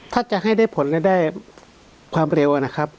ถ้าจะให้ได้ผลและได้ความเร็วนะครับ